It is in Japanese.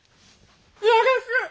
嫌です！